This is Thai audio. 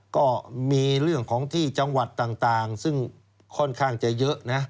ก็มีเรื่องของที่จังหวัดต่างซึ่งค่อนข้างจะเยอะนะ